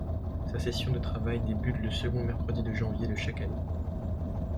Sa session de travail débute le second mercredi de janvier de chaque année.